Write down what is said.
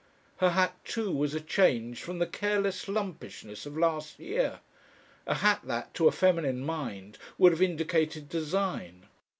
Her hat too was a change from the careless lumpishness of last year, a hat that, to a feminine mind, would have indicated design.